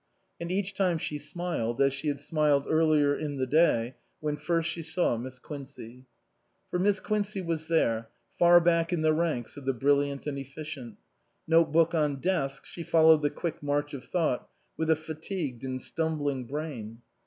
And each time she smiled, as she had smiled earlier in the day when first she saw Miss Quincey. For Miss Quincey was there, far back in the ranks of the brilliant and efficient. Note book on desk, she followed the quick march of thought with a fatigued and stumbling brain.